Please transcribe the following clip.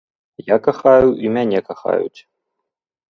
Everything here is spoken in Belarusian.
Я кахаю, і мяне кахаюць.